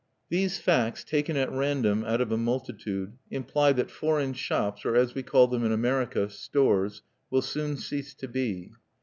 These facts, taken at random out of a multitude, imply that foreign shops or as we call them in America, "stores," will soon cease to be.